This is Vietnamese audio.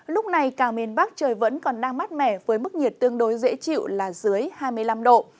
lúc này càng miền bắc trời vẫn còn đang mát mẻ với mức nhiệt tương đối dễ chịu là dưới hai mươi năm độ